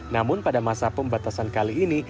namun pada masa pembatasan kali ini